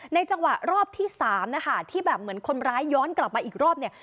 จังหวะรอบที่๓นะคะที่แบบเหมือนคนร้ายย้อนกลับมาอีกรอบเนี่ย